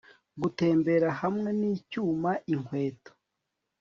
gutembera hamwe nicyuma inkweto